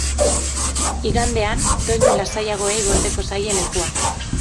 Igandean, doinu lasaiagoei gordeko zaie lekua.